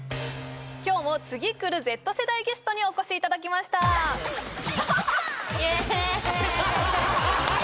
今日も次くるＺ世代ゲストにお越しいただきましたはははは！